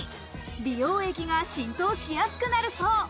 美容液が浸透しやすくなるそう。